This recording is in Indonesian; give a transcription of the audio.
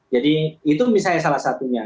jadi itu misalnya salah satunya